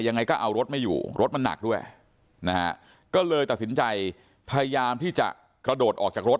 ยังไงก็เอารถไม่อยู่รถมันหนักด้วยนะฮะก็เลยตัดสินใจพยายามที่จะกระโดดออกจากรถ